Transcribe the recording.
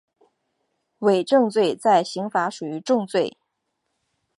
伪证罪在刑法属于重罪。